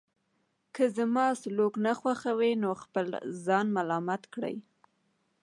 که زما سلوک نه خوښوئ نو خپل ځان ملامت کړئ.